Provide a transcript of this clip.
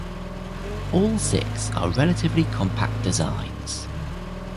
All six are relatively compact designs.